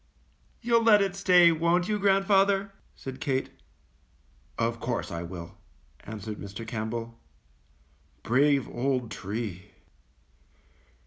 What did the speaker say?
"You^ll let it stay, won't you, grandfather?" said Kate. ^^Of course I will," answered Mr. Campbell, ^^brave old tree!"